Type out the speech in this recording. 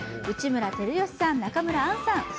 内村光良さん、中村アンさん